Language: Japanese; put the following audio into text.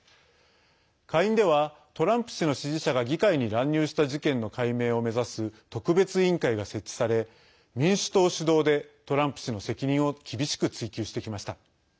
下院では、トランプ氏の支持者が議会に乱入した事件の解明を目指す特別委員会が設置され民主党主導でトランプ氏の責任を厳しく追及してきました。